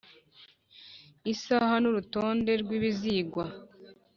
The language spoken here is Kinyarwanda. Isaha n urutonde rw ibizigwa